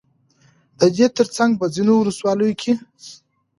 ددې ترڅنگ په ځينو ولسواليو كې